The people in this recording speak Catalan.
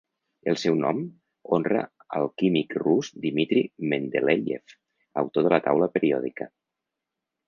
El seu nom honra al químic rus Dmitri Mendeléiev, autor de la taula periòdica.